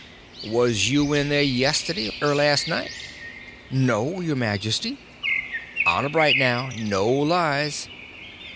"Was you in there yisterday er last night?" "No, your majesty." "Honor bright, now—no lies."